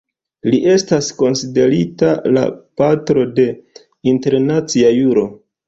Li estas konsiderita la "patro de internacia juro".